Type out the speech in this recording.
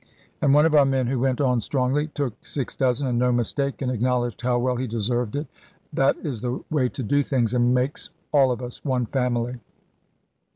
And one of our men who went on strongly, took six dozen, and no mistake, and acknowledged how well he deserved it. That is the way to do things, and makes all of us one family.